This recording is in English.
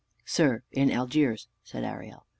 "Sir, in Algiers," said Ariel.